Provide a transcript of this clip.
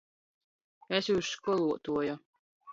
Es jūs školuotuoja!